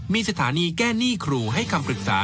มีสถานีแก้หนี้ครูให้คำปรึกษา